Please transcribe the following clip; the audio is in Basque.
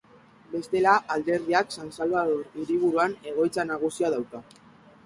Bestela, alderdiak San Salvador hiriburuan egoitza nagusia dauka.